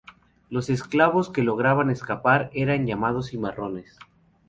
Los esclavos que lograban escapar eran llamados "cimarrones".